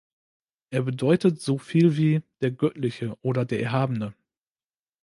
Er bedeutet so viel wie „Der Göttliche“ oder „Der Erhabene“.